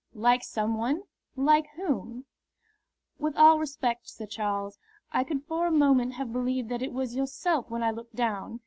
"Like some one? Like whom?" "With all respect, Sir Charles, I could for a moment have believed that it was yourself when I looked down.